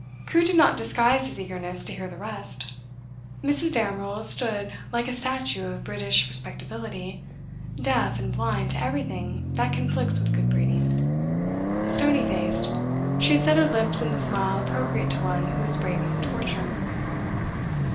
Crewe did not disguise his eagerness to hear the rest. Mrs. Damerel stood like a statue of British respectability, deaf and blind to everything that conflicts with good breeding; stony faced, she had set her lips in the smile appropriate to one who is braving torture.